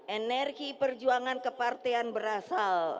energi perjuangan kepartean berasal